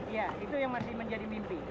ya itu yang masih menjadi mimpi